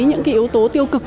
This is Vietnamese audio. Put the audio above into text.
những cái yếu tố tiêu cực